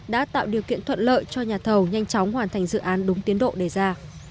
đã tạo điều kiện thuận lợi cho nhà thầu nhanh chóng hoàn thành dự án đúng tiến độ đề ra